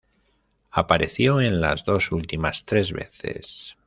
Apareció en las dos últimas tres veces.